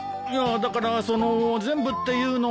だからその全部っていうのは。